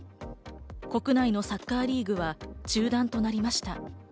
国内のサッカーリーグは中断となりました。